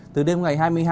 từ đêm ngày hai mươi hai